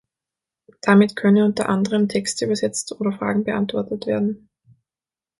Damit könne unter anderem Texte übersetzt oder Fragen beantwortet werden.